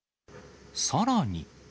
さらに。